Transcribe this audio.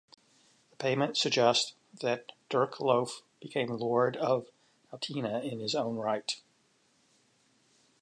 The payment suggests that Dirk Loef became Lord of Altena in his own right.